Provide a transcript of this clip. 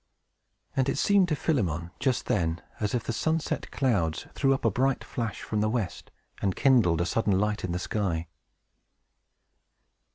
And it seemed to Philemon, just then, as if the sunset clouds threw up a bright flash from the west, and kindled a sudden light in the sky.